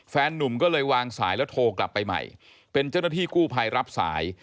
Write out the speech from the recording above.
นุ่มก็เลยวางสายแล้วโทรกลับไปใหม่เป็นเจ้าหน้าที่กู้ภัยรับสาย